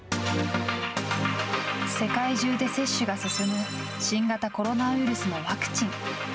世界中で接種が進む新型コロナウイルスのワクチン。